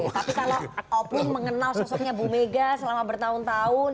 tapi kalau opung mengenal sosoknya bu mega selama bertahun tahun